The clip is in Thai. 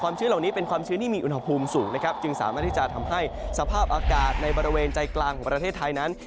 ชื้นเหล่านี้เป็นความชื้นที่มีอุณหภูมิสูงนะครับจึงสามารถที่จะทำให้สภาพอากาศในบริเวณใจกลางของประเทศไทยนั้น